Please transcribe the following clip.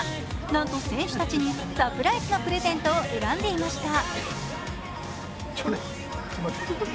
なんと選手たちにサプライズなプレゼントを選んでいました。